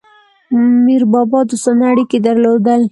میربابا دوستانه اړیکي درلودل.